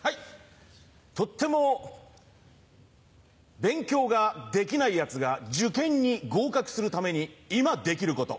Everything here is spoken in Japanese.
とっても勉強ができないヤツが受験に合格するために今できること。